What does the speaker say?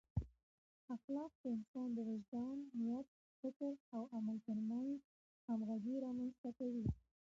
اخلاق د انسان د وجدان، نیت، فکر او عمل ترمنځ همغږي رامنځته کوي.